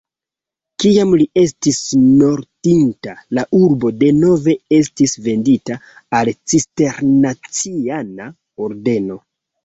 Kiam li estis mortinta, la urbo denove estis vendita al cisterciana ordeno.